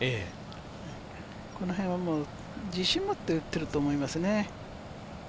このへんはもう自信を持って打ってると思いますね。